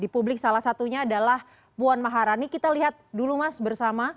kekecewaan bdip akhir akhir ini semakin dikeluarkan